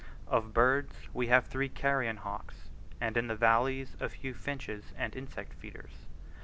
Of birds we have three carrion hawks and in the valleys a few finches and insect feeders.